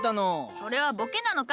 それはボケなのか？